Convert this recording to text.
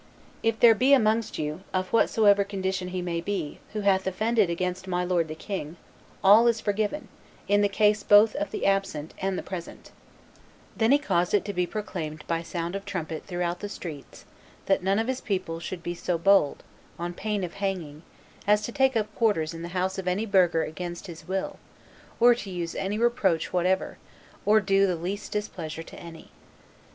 If there be amongst you any, of whatsoever condition he may be, who hath offended against my lord 'the king, all is forgiven, in the case both of the absent and the present." [Illustration: The Constable Made his Entry on Horseback 150] Then he caused it to be proclaimed by sound of trumpet throughout the streets that none of his people should be so bold, on pain of hanging, as to take up quarters in the house of any burgher against his will, or to use any reproach whatever, or do the least displeasure to any.